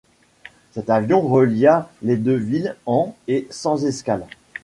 Cet avion relia les deux villes en et sans escale.